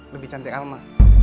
lebih cantik alma